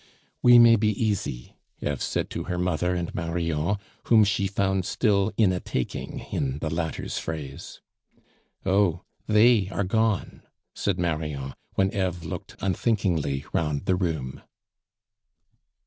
"We may be easy," Eve said to her mother and Marion, whom she found still "in a taking," in the latter's phrase. "Oh! they are gone," said Marion, when Eve looked unthinkingly round the room.